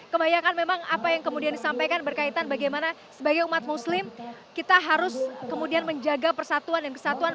kebanyakan memang apa yang kemudian disampaikan berkaitan bagaimana sebagai umat muslim kita harus kemudian menjaga persatuan dan kesatuan